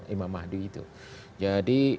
imam mahdi itu jadi